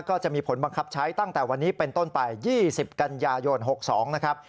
ก็จะมีผลบังคับใช้ตั้งแต่วันนี้เป็นต้นไป๒๐กันยายน๖๒นะครับ